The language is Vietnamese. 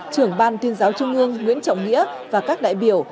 trưởng ban tuyên giáo trung ương nguyễn trọng nghĩa và các đại biểu